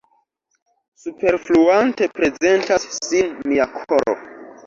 Superfluante prezentas sin mia koro.